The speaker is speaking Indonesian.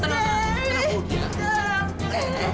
tidak ada suara apa